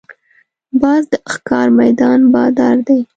باز د ښکار میدان بادار دی